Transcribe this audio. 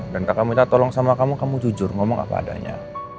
dan kakak minta tolong sama kamu kamu jujur ngomong apa adanya